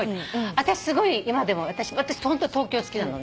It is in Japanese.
私すごい今でも私ホント東京好きなの。